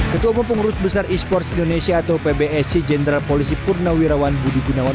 ketua umum pengurus besar esports indonesia atau pbsc general polisi purnawirawan budi gunawan